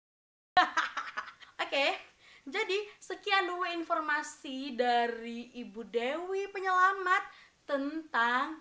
hahaha oke jadi sekian dua informasi dari ibu dewi penyelamat tentang